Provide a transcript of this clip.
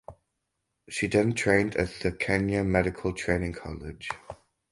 She then trained at the Kenya Medical Training College.